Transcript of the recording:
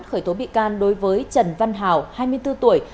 khởi tố bị can đối với trần văn hào hai mươi bốn tuổi